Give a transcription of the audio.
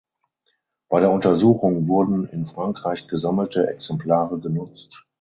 Bei der Untersuchung wurden in Frankreich gesammelte Exemplare genutzt.